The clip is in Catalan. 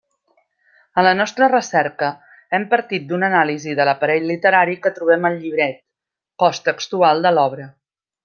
En la nostra recerca hem partit d'una anàlisi de l'aparell literari que trobem al llibret, cos textual de l'obra.